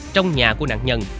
trong nhà của nạn nhân